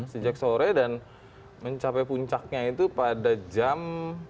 sejak sore dan mencapai puncaknya itu pada jam